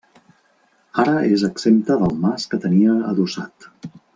Ara és exempta del mas que tenia adossat.